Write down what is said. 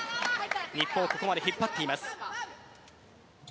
日本をここまで引っ張っています。